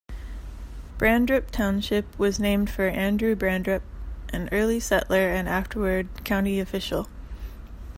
Brandrup Township was named for Andrew Brandrup, an early settler and afterward county official.